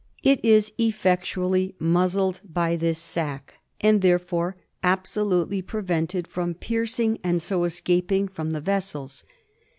It is effectually muzzled by this sac, and thereby absolutely prevented from piercing and so escaping from the vessels.